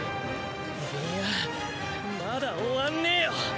いいやまだ終わんねえよ。